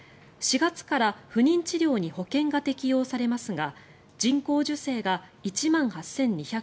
４月から不妊治療に保険が適用されますが人工授精が１万８２００円